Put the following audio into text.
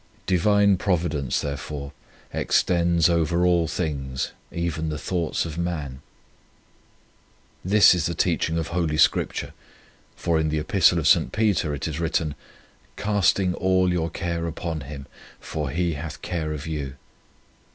Divine Providence, therefore, extends over all things, even the thoughts of man. This is the teaching of Holy Scripture, for in the Epistle of St. Peter it is written :" Casting all your care upon Him, for He hath care of you."